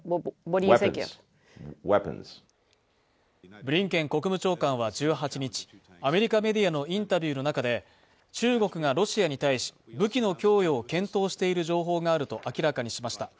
ブリンケン国務長官は１８日、アメリカメディアのインタビューの中で、中国がロシアに対し、武器の供与を検討している情報があると明らかにしました。